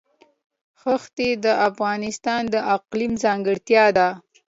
ښتې د افغانستان د اقلیم ځانګړتیا ده.